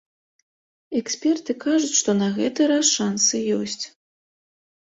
Эксперты кажуць, што на гэты раз шансы ёсць.